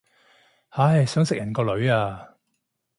唉，想食人個女啊